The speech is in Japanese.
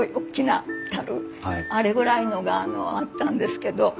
あれぐらいのがあったんですけど。